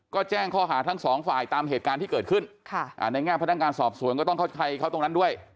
ก็แจ้งข้อหาทั้งสองฝ่ายตามเหตุการณ์ที่เกิดขึ้นในแง่พนักงานสอบสวนก็ต้องเข้าใจเขาตรงนั้นด้วย